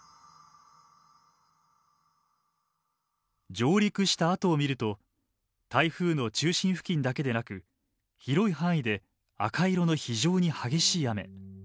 上陸したあとを見ると台風の中心付近だけでなく広い範囲で赤色の非常に激しい雨。